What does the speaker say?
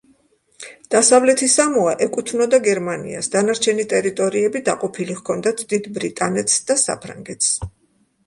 დასავლეთი სამოა ეკუთვნოდა გერმანიას, დანარჩენი ტერიტორიები დაყოფილი ჰქონდათ დიდ ბრიტანეთს და საფრანგეთს.